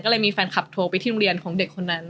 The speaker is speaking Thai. ก็เลยมีแฟนคลับโทรไปที่โรงเรียนของเด็กคนนั้น